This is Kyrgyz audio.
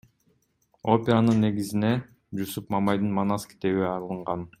Операнын негизине Жусуп Мамайдын Манас китеби алынган.